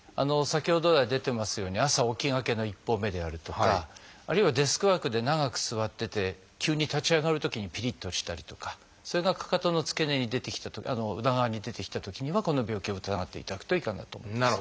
先ほど来出てますように朝起きがけの一歩目であるとかあるいはデスクワークで長く座ってて急に立ち上がるときにピリッとしたりとかそれがかかとの付け根に裏側に出てきたときにはこの病気を疑っていただくといいかなと思います。